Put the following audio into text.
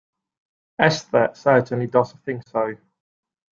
Esther certainly does think so.